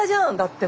って。